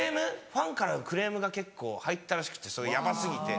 ファンからクレームが結構入ったらしくてヤバ過ぎて。